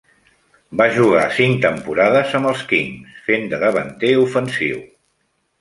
Va jugar cinc temporades amb els Kings, fent de davanter ofensiu.